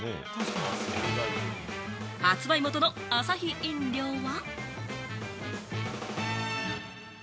発売元のアサヒ飲料は。